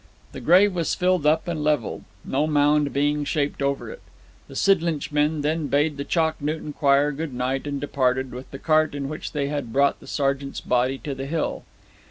The grave was filled up and levelled, no mound being shaped over it. The Sidlinch men then bade the Chalk Newton choir good night, and departed with the cart in which they had brought the sergeant's body to the hill.